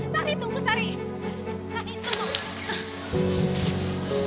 sari tunggu sari sari tunggu